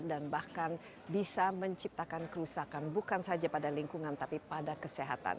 dan bahkan bisa menciptakan kerusakan bukan saja pada lingkungan tapi pada kesehatan